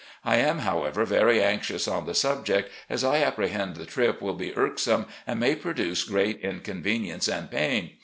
I am, however, very anxious on the subject, as I appre hend the trip will be irksome and may produce great inconvenience and pain.